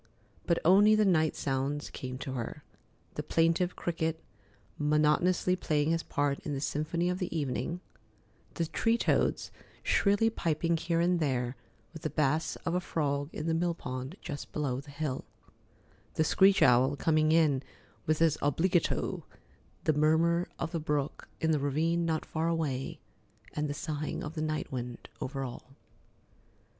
But only the night sounds came to her—the plaintive cricket monotonously playing his part in the symphony of the evening; the tree toads shrilly piping here and there, with the bass of a frog in the mill pond just below the hill; the screech owl coming in with his obligato; the murmur of the brook in the ravine not far away; and the sighing of the night wind over all.